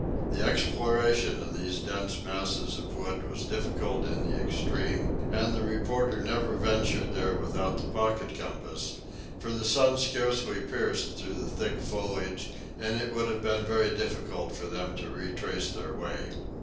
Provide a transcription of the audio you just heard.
The exploration of these dense masses of wood was difficult in the extreme, and the reporter never ventured there without the pocket compass, for the sun scarcely pierced through the thick foliage and it would have been very difficult for them to retrace their way.